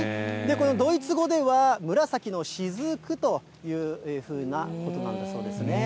ドイツ語では、紫のしずくというようなことなんだそうですね。